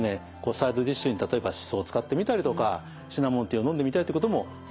サイドディッシュに例えばシソを使ってみたりとかシナモンティーを飲んでみたりってこともいいのかもしれませんね。